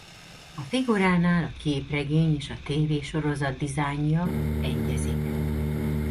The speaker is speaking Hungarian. A figuránál a képregény és a tv-sorozat dizájnja egyezik.